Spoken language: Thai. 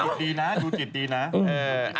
ดูจิตดีนะ